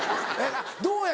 どうや？